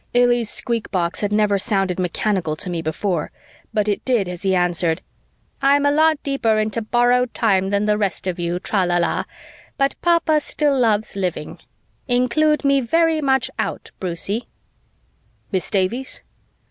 Illy's squeak box had never sounded mechanical to me before, but it did as he answered, "I'm a lot deeper into borrowed time than the rest of you, tra la la, but Papa still loves living. Include me very much out, Brucie." "Miss Davies?"